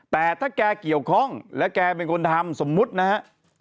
แต่ถ้าแกเกี่ยวข้องแล้วแกเป็นคนทำสมมุตินะฮะ